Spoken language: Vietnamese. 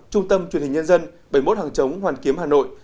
trung tâm truyền hình nhân dân bảy mươi một hàng chống hoàn kiếm hà nội